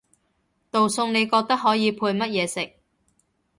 道餸你覺得可以配乜嘢食？